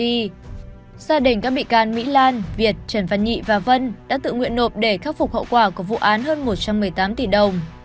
vì gia đình các bị can mỹ lan việt trần văn nhị và vân đã tự nguyện nộp để khắc phục hậu quả của vụ án hơn một trăm một mươi tám tỷ đồng